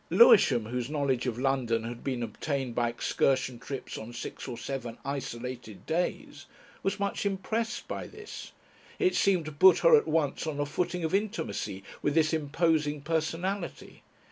Lewisham, whose knowledge of London had been obtained by excursion trips on six or seven isolated days, was much impressed by this. It seemed to put her at once on a footing of intimacy with this imposing Personality.